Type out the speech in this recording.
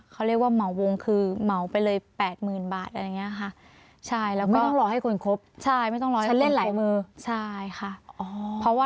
เขาเรียกว่าเหมาวงคือเหมาไปเลย๘๐๐๐บาทอะไรอย่างนี้ค่ะ